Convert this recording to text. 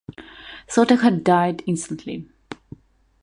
Thirty had died instantly.